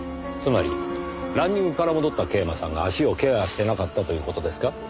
つまりランニングから戻った桂馬さんが足をケアしてなかったという事ですか？